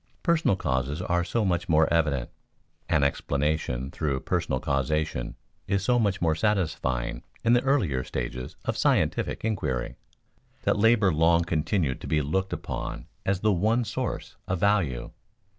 Personal causes are so much more evident, an explanation through personal causation is so much more satisfying in the earlier stages of scientific inquiry, that labor long continued to be looked upon as the one source of value.